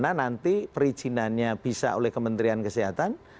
nah di mana nanti perizinannya bisa oleh kementerian kesehatan